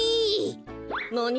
なに？